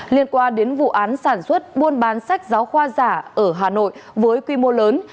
liên quan đến vụ án sản xuất buôn bán sách giáo khoa giả ở hà nội với quy mô lớn